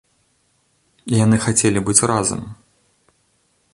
Яны хацелі быць разам.